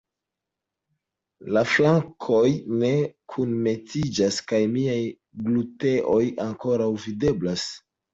La flankoj ne kunmetiĝas kaj miaj gluteoj ankoraŭ videblas!